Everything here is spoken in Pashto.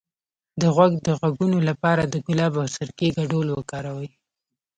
د غوږ د غږونو لپاره د ګلاب او سرکې ګډول وکاروئ